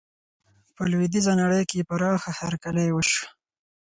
په لویدیزه نړۍ کې یې پراخه هرکلی وشو.